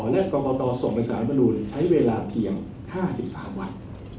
และกรกตส่งไปสารมนุนใช้เวลาเพียง๕๓วัน